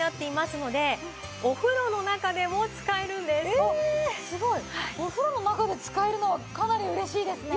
あっすごい！お風呂の中で使えるのはかなり嬉しいですね。